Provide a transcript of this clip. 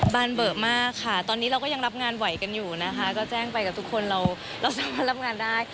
เบอร์มากค่ะตอนนี้เราก็ยังรับงานไหวกันอยู่นะคะก็แจ้งไปกับทุกคนเราสามารถรับงานได้